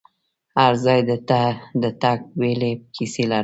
هر ځای ته د تګ بیلې کیسې لرم.